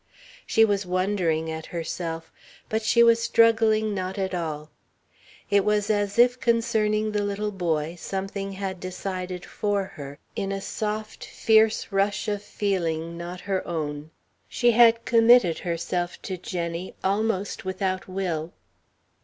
She was wondering at herself, but she was struggling not at all. It was as if concerning the little boy, something had decided for her, in a soft, fierce rush of feeling not her own. She had committed herself to Jenny almost without will.